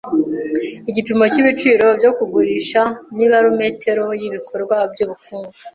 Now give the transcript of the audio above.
Igipimo cyibiciro byo kugurisha ni barometero yibikorwa byubukungu.